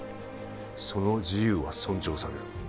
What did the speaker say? その自由は尊重される